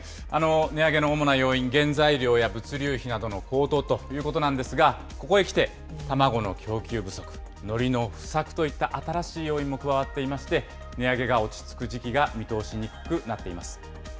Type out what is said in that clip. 値上げの主な要因、原材料や物流費などの高騰ということなんですが、ここへ来て、卵の供給不足、のりの不作といった新しい要因も加わっていまして、値上げが落ち着く時期が見通しにくくなっています。